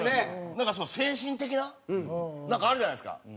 精神的ななんかあるじゃないですか。